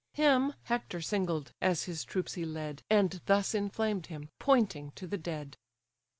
Him Hector singled, as his troops he led, And thus inflamed him, pointing to the dead.